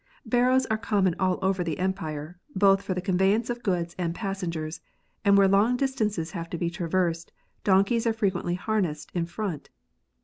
Barrows are common all over the Empire, both for the conveyance of goods and passengers ; and where long distances have to be traversed, donkeys are frequently harnessed in front.